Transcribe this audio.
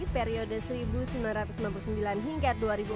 periode seribu sembilan ratus sembilan puluh sembilan hingga dua ribu empat